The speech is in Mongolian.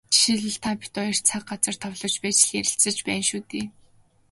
Жишээлбэл, та бид хоёр цаг, газар товлож байж л ярилцаж байна шүү дээ.